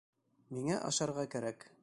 Миңә ашарға кәрәк.